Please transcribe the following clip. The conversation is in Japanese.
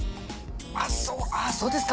あそうそうですか。